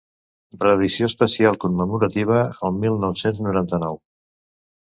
Reedició especial commemorativa el mil nou-cents noranta-nou.